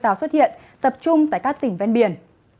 nhiệt độ đã xuất hiện tập trung tại các tỉnh ven biển